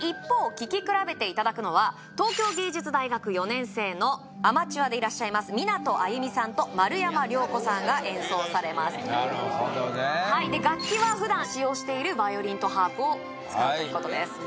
聴き比べていただくのは東京藝術大学４年生のアマチュアでいらっしゃいます湊あゆみさんと丸山怜子さんが演奏されますなるほどねで楽器は普段使用しているバイオリンとハープを使うということです